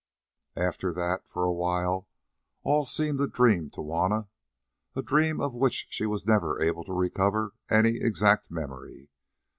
After that, for a while all seemed a dream to Juanna, a dream of which she was never able to recover any exact memory.